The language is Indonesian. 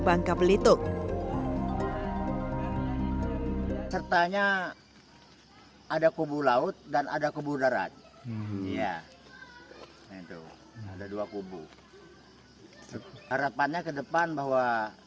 bangka belitung sertanya ada kubu laut dan ada kubu darat iya itu ada dua kubu harapannya ke depan bahwa